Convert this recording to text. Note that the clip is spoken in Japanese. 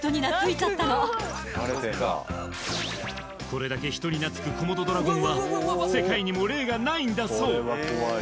これだけ人になつくコモドドラゴンは世界にも例がないんだそう